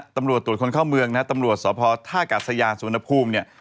ตำรวจตรวจคนเข้าเมืองตำรวจสอบภอส์ท่ากัดสยานสุนภูมิ